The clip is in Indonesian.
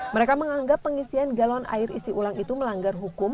mereka menganggap pengisian galon air isi ulang itu melanggar hukum